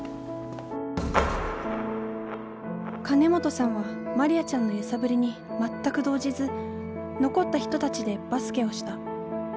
金本さんはマリアちゃんの揺さぶりに全く動じず残った人たちでバスケをした。